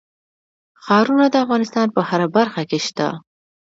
ښارونه د افغانستان په هره برخه کې شته.